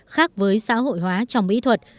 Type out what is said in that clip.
khác với xã hội hóa trong mỹ thuật